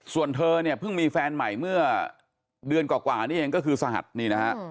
ส่วนเธอเนี่ยเพิ่งมีแฟนใหม่เมื่อเดือนกว่านี่เองก็คือสหัสนี่นะฮะ